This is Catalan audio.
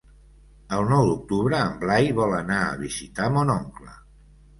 El nou d'octubre en Blai vol anar a visitar mon oncle.